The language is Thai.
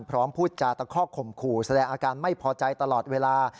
พูดจาตะคอกข่มขู่แสดงอาการไม่พอใจตลอดเวลา